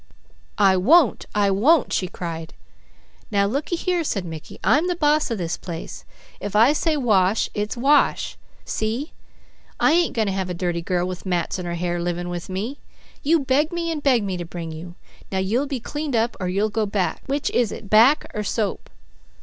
"I won't! I won't!" she cried. "Now looky here!" said Mickey. "I'm the boss of this place. If I say wash, it's wash! See! I ain't going to have a dirty girl with mats in her hair living with me. You begged me and begged me to bring you, now you'll be cleaned up or you'll go back. Which is it, back or soap?"